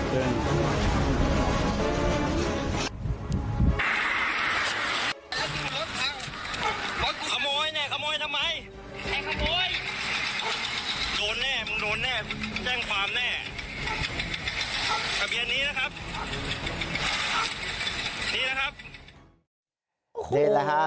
สับเย็นนี้นะครับครับนี่นะครับโอ้โหนี่แหละฮะ